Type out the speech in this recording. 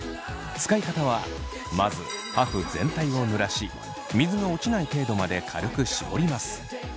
使い方はまずパフ全体を濡らし水が落ちない程度まで軽くしぼります。